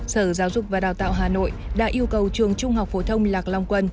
sở giáo dục và đào tạo hà nội đã yêu cầu trường trung học phổ thông lạc long quân